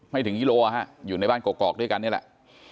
ไม่ถึงกิโลฮะอยู่ในบ้านกอกด้วยกันนี่แหละ